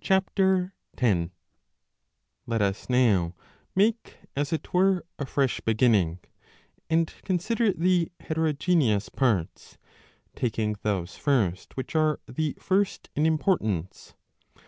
(Ch. \o.) Let us now^ make, as it were, a fresh beginning, and consider the heterogeneous parts, taking those first which are the first in importance.